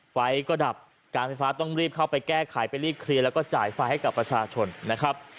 ไฟก็ดับการไฟฟ้าต้องรีบเข้าไปแก้ไขไปรีบเคลียร์แล้วก็จ่ายไฟให้กับประชาชนนะครับ